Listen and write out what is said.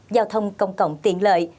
giao thông công cộng tiện lợi